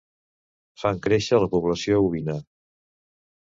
Fan créixer la població ovina.